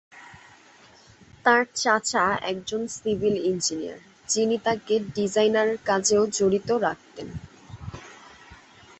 তার চাচা, একজন সিভিল ইঞ্জিনিয়ার, যিনি তাকে ডিজাইনের কাজেও জড়িত রাখতেন।